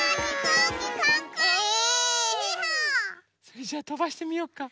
それじゃあとばしてみようか？